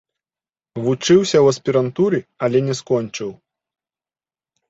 Вучыўся ў аспірантуры, але не скончыў.